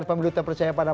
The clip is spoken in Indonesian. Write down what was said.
orang jadi korban tadi